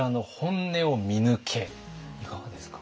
いかがですか？